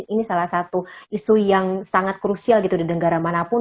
ini salah satu isu yang sangat krusial gitu di negara manapun